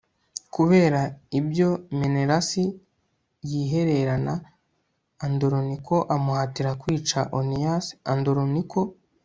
kubera ibyo menelasi yihererana andoroniko amuhatira kwica oniyasi andoroniko